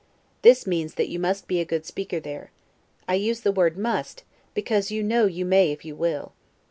This means that you must be a good speaker there; I use the word MUST, because I know you may if you will.